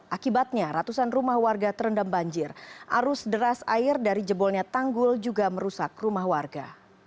akibatnya ratusan rumah warga terendam banjir arus deras air dari jebolnya tanggul juga merusak rumah warga